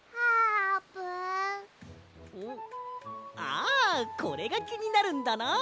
あこれがきになるんだな！